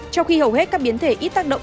trong khi hầu hết các biến thể ít tác động